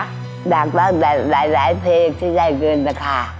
หลายหลายหลายหลายเพลงที่ใจเกินนะคะ